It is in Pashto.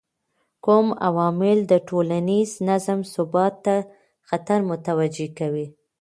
کوم عوامل د ټولنیز نظم ثبات ته خطر متوجه کوي؟